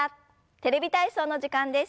「テレビ体操」の時間です。